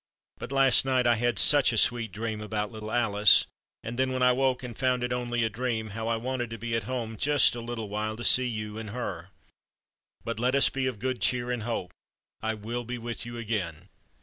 But last night I had such a sweet dream about little Alice; and then when I woke and found it only a dream, how I wanted to be at home just a little while to see you and her. But let us be of good cheer and hope. I will be with you again."